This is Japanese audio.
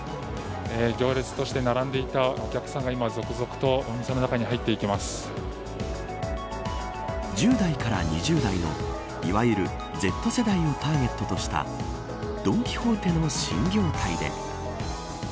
行列として並んでいたお客さんが今、続々と１０代から２０代のいわゆるＺ世代をターゲットとしたドン・キホーテの新業態で。